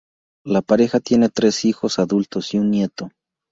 La pareja tiene tres hijos adultos y un nieto.